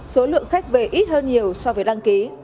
số lượng khách về ít hơn nhiều so với đăng ký